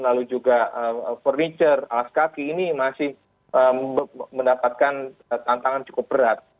lalu juga furniture alas kaki ini masih mendapatkan tantangan cukup berat